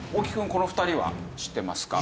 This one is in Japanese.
この２人は知ってますか？